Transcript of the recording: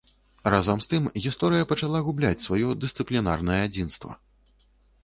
Разам з тым, гісторыя пачала губляць сваё дысцыплінарнае адзінства.